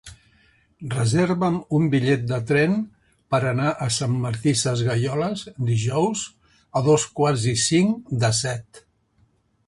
Reserva'm un bitllet de tren per anar a Sant Martí Sesgueioles dijous a dos quarts i cinc de set.